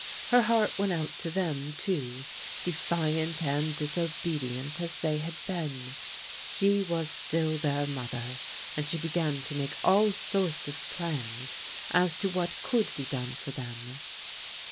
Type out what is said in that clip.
Her heart went out to them, too, de fiant and disobedient as they had been. SVie v}^*& %^c£l 184 PRODIGAL DAUGHTERS their mother, and she began to make all sorts of plans as to what could be done for them.